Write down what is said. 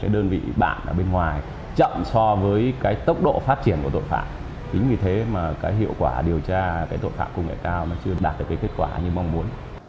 đo với tốc độ phát triển của tội phạm chính vì thế mà hiệu quả điều tra tội phạm công nghệ cao chưa đạt được kết quả như mong muốn